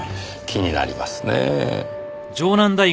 気になりますねぇ。